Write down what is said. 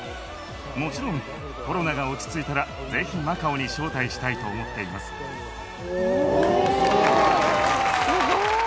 もちろんコロナが落ち着いたら、ぜひマカオに招待したいと思ってすごーい。